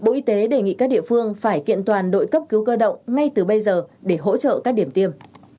bộ y tế đề nghị các địa phương phải kiện toàn đội cấp cứu cơ động ngay từ bây giờ để hỗ trợ các điểm tiêm